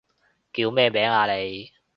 叫咩名啊你？